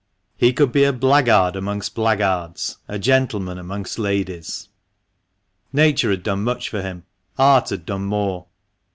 He could be a blackguard amongst blackguards, a gentleman amongst ladies. Nature had done much for him, art had done more.